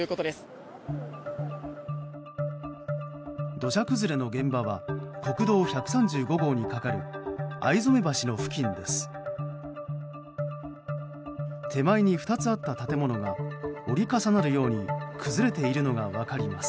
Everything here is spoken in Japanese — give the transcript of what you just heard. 土砂崩れの現場は国道１３５号にかかり逢初橋の付近です。